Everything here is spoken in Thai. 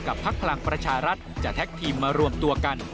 พักพลังประชารัฐจะแท็กทีมมารวมตัวกัน